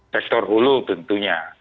sektor hulu tentunya